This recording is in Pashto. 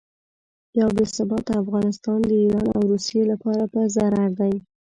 یو بې ثباته افغانستان د ایران او روسیې لپاره په ضرر دی.